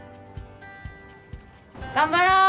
頑張ろう！